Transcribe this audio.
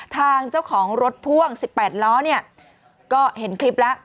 ทางเจ้าของรถพ่วง๑๘ล้อเนี่ยก็เห็นคลิปแล้ว